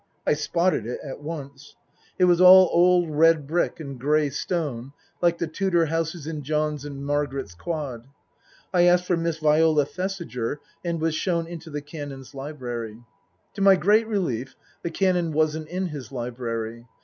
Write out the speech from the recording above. I spotted it at once. It was all old Book I : My Book 85 red brick and grey stone like the Tudor houses in John's and Margaret's Quad. I asked for Miss Viola Thesiger and was shown into the Canon's library. To my great relief the Canon wasn't in his library.